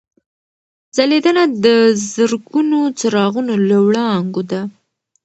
ځلېدنه د زرګونو څراغونو له وړانګو ده.